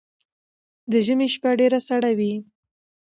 ده ژمی شپه ډیره سړه وی